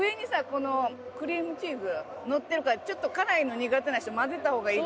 このクリームチーズのってるからちょっと辛いの苦手な人混ぜた方がいいかもね。